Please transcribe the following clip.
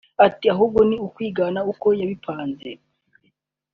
Ati “Ahubwo ni ukwigana uko yabipanze